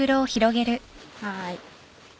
はい。